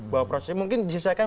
bahwa prosesnya mungkin diselesaikan